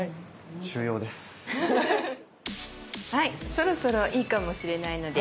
そろそろいいかもしれないので。